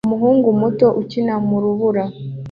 Umuhungu muto ukina mu rubura